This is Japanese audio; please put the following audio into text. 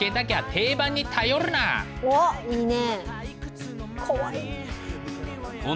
おっいいね。